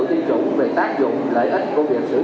tiêm chủng phải tổ chức giám sát